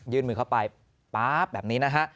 ยืนมือเข้าไปแบบนี้นะฮะ